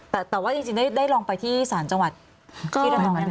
แต่ว่าจริงได้ลองไปที่ศาลจังหวัดที่ระนอง